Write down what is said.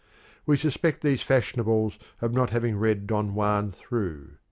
We suspect these fashionables of not having read " Don Juan " through.